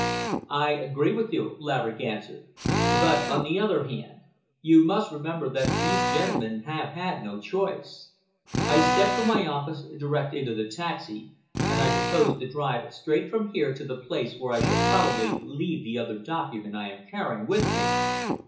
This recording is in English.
"I agree with you," Laverick answered, "but, on the other hand, you must remember that these gentlemen have had no choice. I stepped from my office direct into the taxi, and I proposed to drive straight from here to the place where I shall probably leave the other document I am carrying with me.